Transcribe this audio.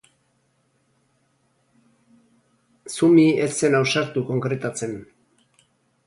Zumi ez zen ausartu konkretatzen.